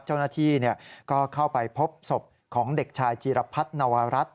เจ้าหน้าที่ก็เข้าไปพบศพของเด็กชายจีรพัฒนวรัฐ